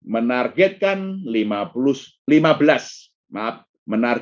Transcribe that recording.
menargetkan lima belas juta pengguna baru